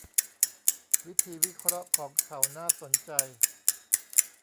วิธีวิเคราะห์ของเขาน่าสนใจ